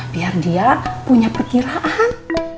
biar dia punya perkiraan